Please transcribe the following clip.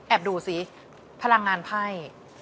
แอบดูซิพลังงานไพ่